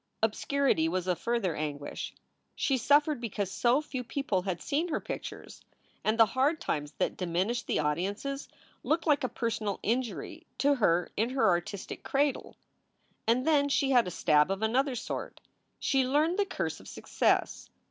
Obscurity was a further anguish. She suffered because so few people had seen her pictures, and the hard times that diminished the audiences looked like a personal injury to her in her artistic cradle. And then she had a stab of another sort. She learned the curse of success.